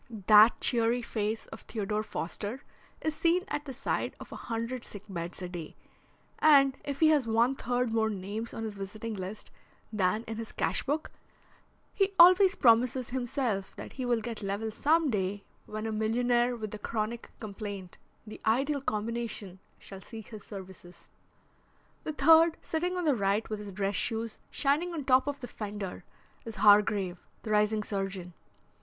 That cheery face of Theodore Foster is seen at the side of a hundred sick beds a day, and if he has one third more names on his visiting list than in his cash book he always promises himself that he will get level some day when a millionaire with a chronic complaint the ideal combination shall seek his services. The third, sitting on the right with his dress shoes shining on the top of the fender, is Hargrave, the rising surgeon.